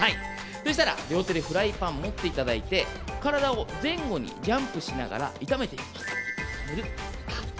両手でフライパンを持っていただいて体を前後にジャンプしながら炒めていきます。